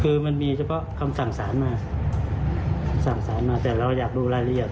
คือมันมีเฉพาะคำสั่งสารมาสั่งสารมาแต่เราอยากดูรายละเอียด